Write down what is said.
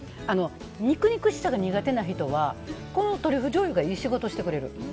肉々しさが苦手な人はこのトリュフじょうゆがいい仕事してくれる。